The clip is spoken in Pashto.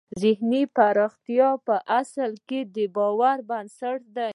ذهني پراختیا په اصل کې د باور بنسټ دی